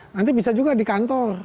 nanti bisa juga di kantor